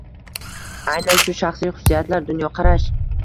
Aynan shu shaxsiy xususiyatlar, dunyoqarash